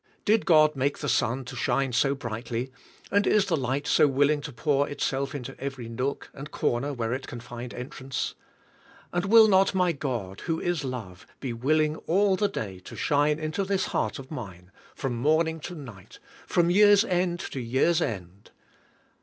Did God make the sun to shine so brightly, and is the light so willing to pour itself into every nook and corner where it can find entrance? And will not my God, who is love, be willing all the day to shine into this heart of mine, from morning to night, from year's end to year's end?